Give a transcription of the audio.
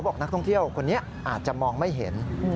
บอกนักท่องเที่ยวคนนี้อาจจะมองไม่เห็น